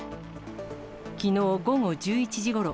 きのう午後１１時ごろ、